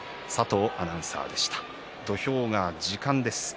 土俵が時間です。